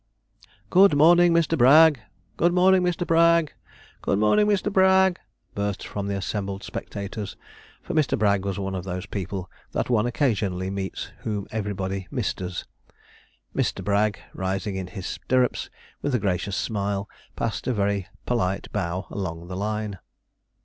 'Good morning, Mister Bragg! Good morning, Mister Bragg! Good morning, Mister Bragg!' burst from the assembled spectators: for Mr. Bragg was one of those people that one occasionally meets whom everybody 'Misters.' Mister Bragg, rising in his stirrups with a gracious smile, passed a very polite bow along the line.